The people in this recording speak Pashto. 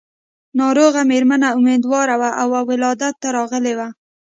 ناروغه مېرمنه اميدواره وه او ولادت ته راغلې وه.